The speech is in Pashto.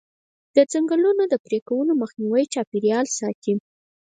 د ځنګلونو د پرې کولو مخنیوی چاپیریال ساتي.